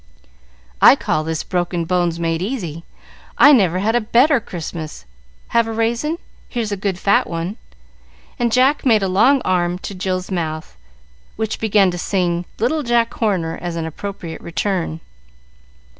"I call this broken bones made easy. I never had a better Christmas. Have a raisin? Here's a good fat one." And Jack made a long arm to Jill's mouth, which began to sing "Little Jack Horner" as an appropriate return.